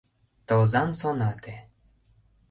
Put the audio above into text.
— Тылзан сонате...